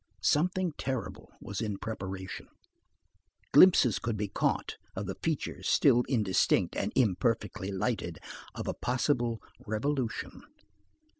Something terrible was in preparation. Glimpses could be caught of the features still indistinct and imperfectly lighted, of a possible revolution.